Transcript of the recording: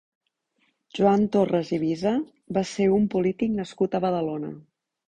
Joan Torres i Viza va ser un polític nascut a Badalona.